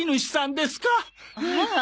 ああ。